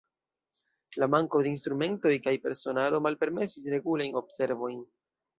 La manko de instrumentoj kaj personaro malpermesis regulajn observojn.